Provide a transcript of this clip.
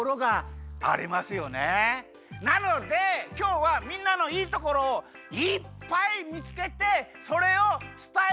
なのできょうはみんなのいいところをいっぱい見つけてそれを伝えるゲームをします！